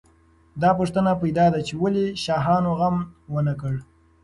دا پوښتنه پیدا ده چې ولې شاهانو غم ونه کړ.